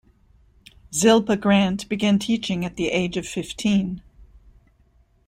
Zilpah Grant began teaching at the age of fifteen.